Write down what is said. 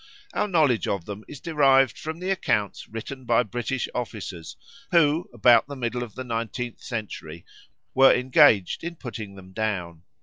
Our knowledge of them is derived from the accounts written by British officers who, about the middle of the nineteenth century, were engaged in putting them down.